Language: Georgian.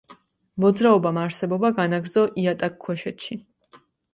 მოძრაობამ არსებობა განაგრძო იატაკქვეშეთში.